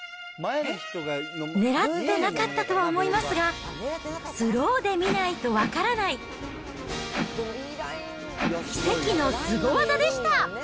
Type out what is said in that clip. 狙ってなかったとは思いますが、スローで見ないと分からない奇跡のスゴ技でした。